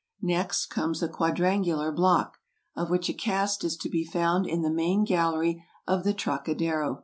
Next comes a quadrangular block, of which a cast is to be found in the main gallery of the Trocadero.